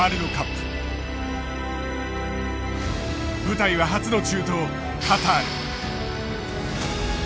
舞台は初の中東カタール。